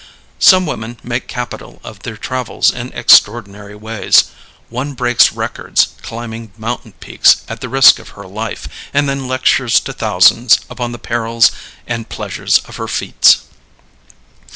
Some women make capital of their travels in extraordinary ways. One breaks records climbing mountain peaks at the risk of her life and then lectures to thousands upon the perils and pleasures of her feats.